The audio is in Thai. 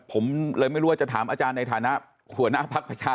ผมเลยไม่รู้ว่าจะถามอาจารย์ในฐานะหัวหน้าภักดิ์ประชา